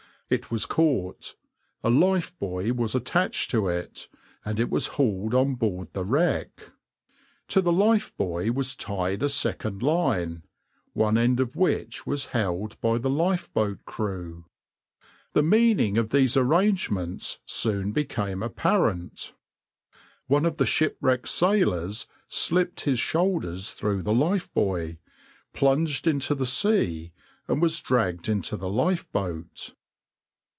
It was caught, a lifebuoy was attached to it, and it was hauled on board the wreck. To the lifebuoy was tied a second line, one end of which was held by the lifeboat crew. The meaning of these arrangements soon became apparent. One of the shipwrecked sailors slipped his shoulders through the lifebuoy, plunged into the sea, and was dragged into the lifeboat.